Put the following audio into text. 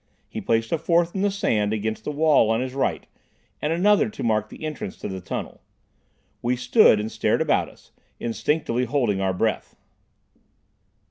He placed a fourth in the sand against the wall on his right, and another to mark the entrance to the tunnel. We stood and stared about us, instinctively holding our breath.